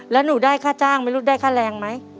แล้วหนูได้ค่าจ้างไม่รู้ได้ค่าแรงไหม